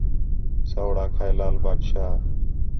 سوڑ آکھا ہِے لال بادشاہ